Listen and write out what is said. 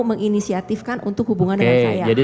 menginisiatifkan untuk hubungan dengan saya oke jadi